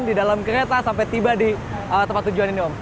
di dalam kereta sampai tiba di tempat tujuan ini om